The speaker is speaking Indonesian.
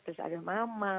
terus ada mama